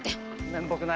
面目ない。